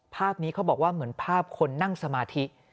ภาพนี้เขาบอกว่าเหมือนภาพคนนั่งสมาธิ